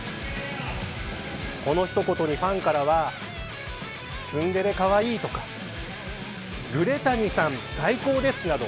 この一言に、ファンからはツンデレかわいいとかグレ谷さん、最高ですなど